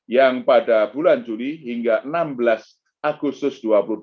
yang pada bulan juli hingga enam belas agustus dua ribu dua puluh